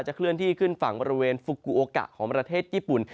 เคลื่อนที่ขึ้นฝั่งบริเวณฟูกูโอกะของประเทศญี่ปุ่น